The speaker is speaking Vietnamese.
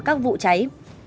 bốn mươi các vụ cháy